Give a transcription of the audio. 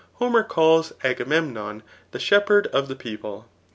Homer calls AgamevmOH' the shej^herd of d|& peopfe.